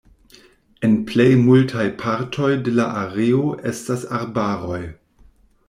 En plej multaj partoj de la areo estas arbaroj.